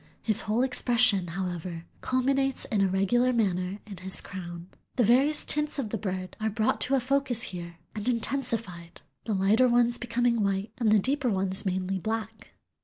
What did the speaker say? His whole expression, however, culminates in a regular manner in his crown. The various tints of the bird are brought to a focus here and intensified, the lighter ones becoming white and the deeper ones mainly black.